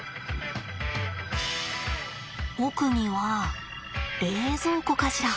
奧には冷蔵庫かしら。